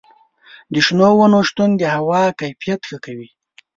د شنو ونو شتون د هوا کیفیت ښه کوي.